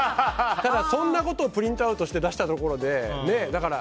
ただ、そんなことをプリントアウトして出したところで。